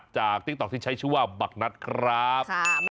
ติ๊กต๊อกที่ใช้ชื่อว่าบักนัดครับ